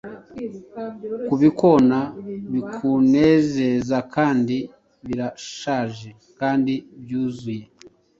Kubikona bikunezezakandi birashaje kandi byuzuye